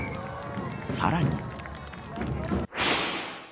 さらに。